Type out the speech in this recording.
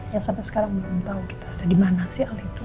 ya sampe sekarang belum tau kita ada dimana sih hal itu